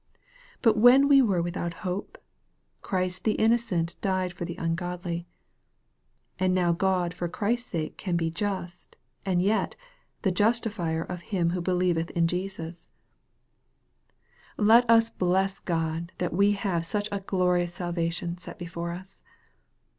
But " when we were without hope," Christ the innocent died for the ungodly. And now God for Christ's sake can be just, and yet " the justifier of him which believeth io Jesutj." 340 EXPOSITORY THOUGHTS. Let us bless God that we have such a glorious salvation set before us.